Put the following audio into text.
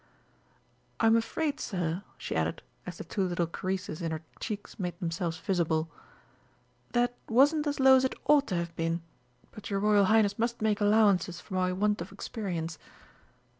"I'm afraid, sir," she added, as the two little creases in her cheeks made themselves visible, "that wasn't as low as it ought to have been, but your Royal Highness must make allowances for my want of experience."